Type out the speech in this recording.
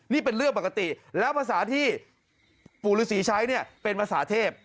นี่เป็นเรื่องปกติแล้วภาษาที่ปู่ฤษีใช้เนี่ยเป็นภาษาเทพ